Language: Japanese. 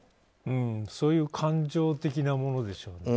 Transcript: そういう感情的なものでしょう。